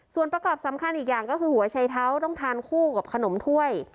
ส่วนประกอบสำคัญอีกอย่างก็คือหัวชัยเท้าต้องทานคู่กับขนมถ้วย